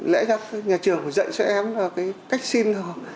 lẽ ra nhà trường dạy cho em là cái cách xin